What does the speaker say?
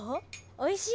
おいしい？